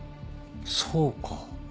そうか。